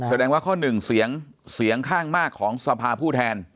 แสดงว่าข้อหนึ่งเสียงเสียงข้างมากของสภาผู้แทน